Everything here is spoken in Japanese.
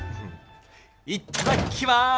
いっただきます！